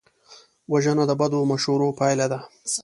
وژنه د بدو مشورو پایله ده